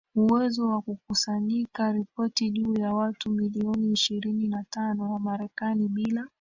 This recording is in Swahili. uwezo wa kukusanyika ripoti juu ya watu milioni ishirini na tano wa Marekani Bila